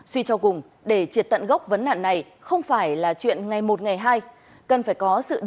suy cho cùng để triệt tận gốc vấn nạn này không phải là chuyện ngày một ngày hai